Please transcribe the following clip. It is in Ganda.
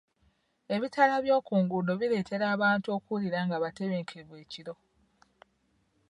Ebitaala by'oku nguudo bireetera abantu okuwulira nga batebenkevu ekiro.